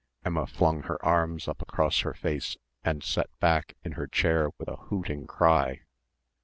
Emma flung her arms up across her face and sat back in her chair with a hooting cry.